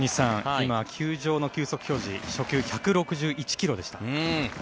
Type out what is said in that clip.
今、球場の球速表示初球、１６１ｋｍでした。